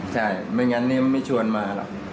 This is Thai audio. ใช่ไม่งั้นนี่ไม่ชวนมาหรอก